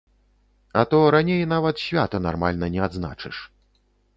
А то раней нават свята нармальна не адзначыш.